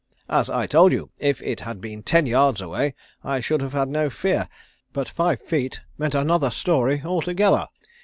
As I told you, if it had been ten yards away I should have had no fear, but five feet meant another story altogether.